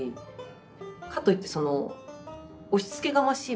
かといって押しつけがましい